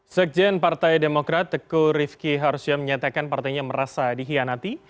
sekjen partai demokrat teguh rifki harsya menyatakan partainya merasa dihianati